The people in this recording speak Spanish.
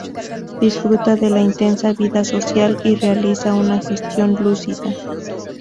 Disfruta de la intensa vida social y realiza una gestión lúcida.